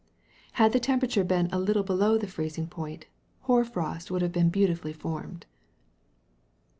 Had the temperature been a little below the freezing point, hoar frost would have been beautifully formed.